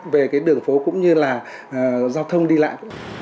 về cái đường phố cũng như là giao thông đi lại